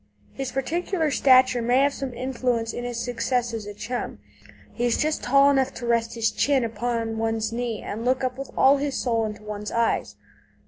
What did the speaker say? His particular stature may have some influence in his success as a chum. He is just tall enough to rest his chin upon one's knee and look up with all his soul into one's eyes.